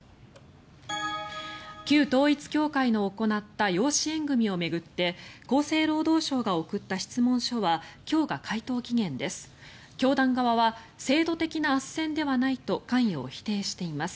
旧統一教会の行った養子縁組を巡って厚生労働省が送った質問書は今日が回答期限です。